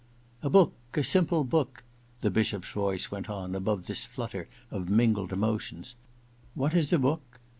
*A book — a simple book,' the Bishop's voice went on above this flutter of mingled emotions. * What is a book